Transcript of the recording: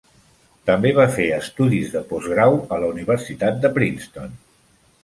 També va fer estudis de postgrau a la Universitat de Princeton.